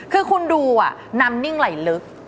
คือคุณดูน้ำนิ่งไหลลึก